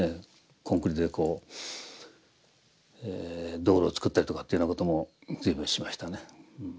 コンクリでこう道路を造ったりとかっていうようなことも随分しましたね。